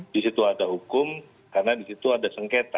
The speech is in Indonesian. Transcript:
di situ ada hukum karena di situ ada sengketa